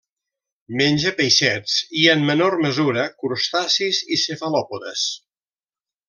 Menja peixets i, en menor mesura, crustacis i cefalòpodes.